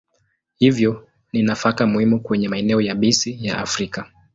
Hivyo ni nafaka muhimu kwenye maeneo yabisi ya Afrika.